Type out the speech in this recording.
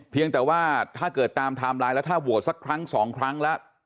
เพียงแต่ว่าถ้าเกิดตามไทม์ไลน์แล้วถ้าโหวตสักครั้งสองครั้งแล้ว